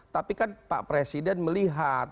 tapi kan pak presiden melihat